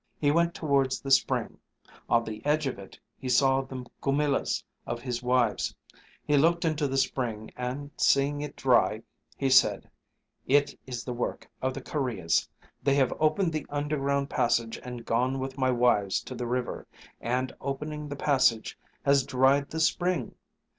He went towards the spring; on the edge of it he saw the goomillahs of his wives. He looked into the spring and, seeing it dry, he said, "It is the work of the kurreahs; they have opened the underground passage and gone with my wives to the river, and opening the passage has dried the spring.